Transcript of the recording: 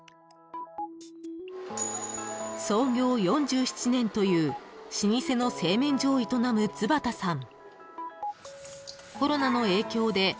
［創業４７年という老舗の製麺所を営む津幡さん］